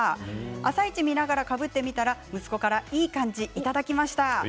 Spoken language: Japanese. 「あさイチ」を見ながらかぶってみたら息子からいい感じと、いただきました。